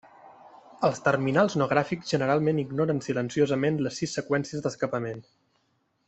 Els terminals no gràfics generalment ignoren silenciosament les sis seqüències d'escapament.